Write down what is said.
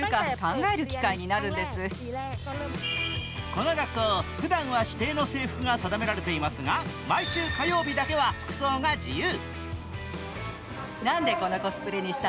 この学校、ふだんは指定の制服が定められていますが毎週火曜日だけは服装が自由。